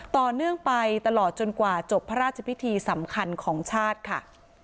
ต่อเนื่องไปตลอดจนกว่าจบพระราชพิธีสำคัญของชาติค่ะ